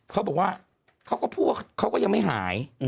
เขาบอกว่าเขาก็พูดว่าเขาก็ยังไม่หาย